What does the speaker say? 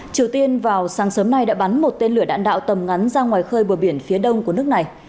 triều tiên vào sáng sớm nay đã bắn một tên lửa đạn đạo tầm ngắn ra ngoài khơi bờ biển phía đông của nước này